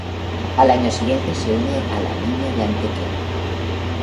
Al año siguiente se une a La Niña de Antequera.